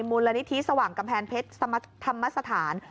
มูลนิธิสว่างกำแพงเพชรธรรมสถาน